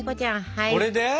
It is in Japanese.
これで？